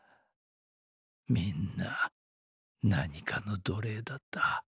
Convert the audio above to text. みんな何かの奴隷だった。